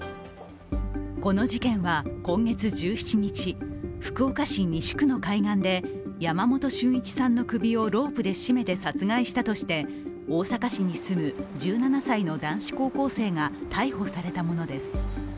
この事件は今月１７日、福岡市西区の海岸で山本駿一さんの首をロープで絞めて殺害したとして、大阪市に住む１７歳の男子高校生が逮捕されたものです。